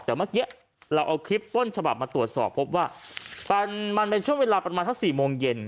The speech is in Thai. แต่เมื่อกี้เราเอาคลิปต้นฉบับมาตรวจสอบพบว่ามันเป็นช่วงเวลาประมาณสัก๔โมงเย็น